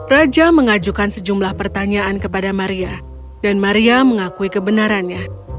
raja mengajukan sejumlah pertanyaan kepada maria dan maria mengakui kebenarannya